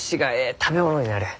食べ物になる。